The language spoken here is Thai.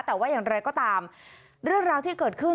แต่ว่าอย่างไรก็ตามเรื่องราวที่เกิดขึ้น